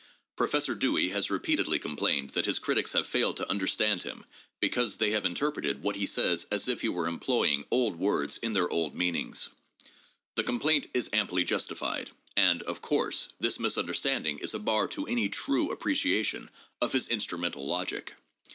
Pro fessor Dewey has repeatedly complained that his critics have failed to understand him because they have interpreted what he says as if he were employing old words in their old meanings. The complaint is amply justified, and, of course, this misunderstanding is a bar to any true appreciation of his instrumental logic.